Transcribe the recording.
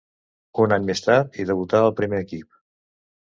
Un any més tard hi debutà al primer equip.